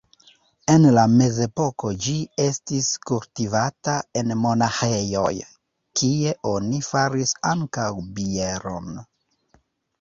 En la mezepoko ĝi estis kultivata en monaĥejoj, kie oni faris ankaŭ bieron.